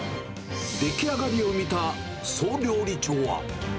出来上がりを見た総料理長は。